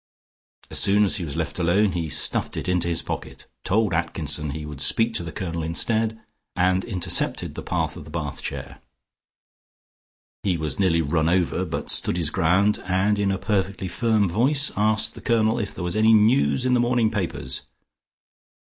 As soon as he was left alone, he stuffed it into his pocket, told Atkinson he would speak to the Colonel instead, and intercepted the path of the bath chair. He was nearly run over, but stood his ground, and in a perfectly firm voice asked the Colonel if there was any news in the morning papers.